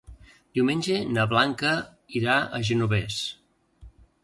Diumenge na Blanca irà al Genovés.